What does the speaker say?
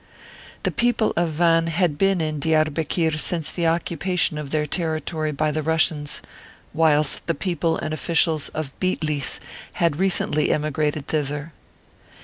The people of Van had been in Diarbekir since the occupation of their terri tory by the Russians, whilst the people and officials of Bitlis had recently emigrated thither.